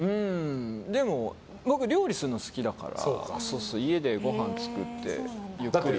でも、僕料理するの好きだから家でごはん作って、ゆっくり。